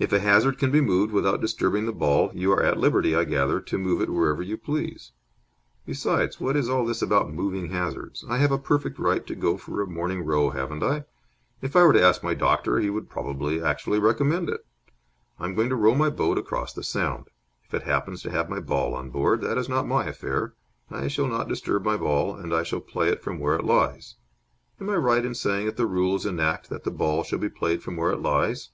If a hazard can be moved without disturbing the ball, you are at liberty, I gather, to move it wherever you please. Besides, what is all this about moving hazards? I have a perfect right to go for a morning row, haven't I? If I were to ask my doctor, he would probably actually recommend it. I am going to row my boat across the sound. If it happens to have my ball on board, that is not my affair. I shall not disturb my ball, and I shall play it from where it lies. Am I right in saying that the rules enact that the ball shall be played from where it lies?"